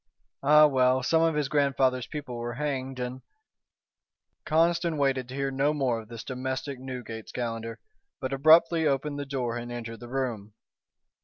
Ah, well, some of his grandfather's people were hanged and " Conniston waited to hear no more of this domestic Newgate's Calendar, but abruptly opened the door and entered the room.